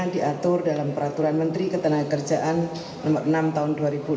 diatur dalam peraturan menteri ketenagakerjaan no enam tahun dua ribu enam belas